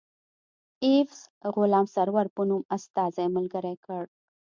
ایفز غلام سرور په نوم استازی ملګری کړ.